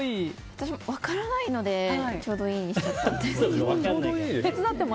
私も分からないのでちょうどいいにしちゃった。